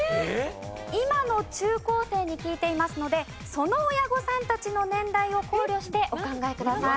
今の中高生に聞いていますのでその親御さんたちの年代を考慮してお考えください。